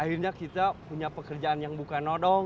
akhirnya kita punya pekerjaan yang bukan nodong